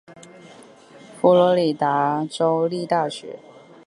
佛罗里达州立大学。